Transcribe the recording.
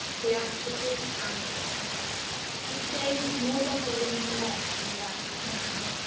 159 THEATRICAL AMORISM " The stage is more beholding to love than the life of man.